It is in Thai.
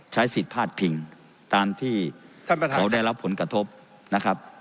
ใช้สิทธิ์ภาดพิงตามที่เขาได้รับผลกระทบนะครับ